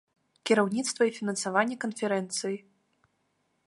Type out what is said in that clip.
Кіраўніцтва і фінансаванне канферэнцыі.